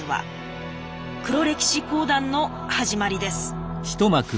黒歴史講談の始まりです。